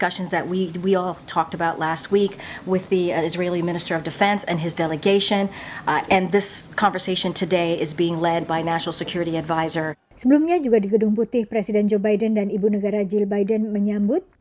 sebelumnya juga di gedung putih presiden joe biden dan ibu negara joe biden menyambut